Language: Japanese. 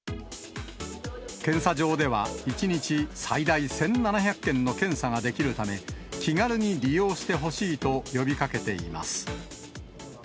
検査場では、１日最大１７００件の検査ができるため、気軽に利用してほしいと呼びかけています。